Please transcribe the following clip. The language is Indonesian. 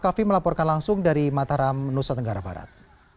kaffi melaporkan langsung dari mataram nusa tenggara barat